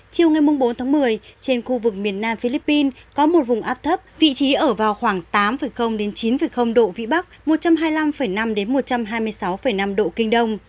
chiều ngày bốn tháng một mươi trên khu vực miền nam philippines có một vùng áp thấp vị trí ở vào khoảng tám chín độ vĩ bắc một trăm hai mươi năm năm một trăm hai mươi sáu năm độ kinh đông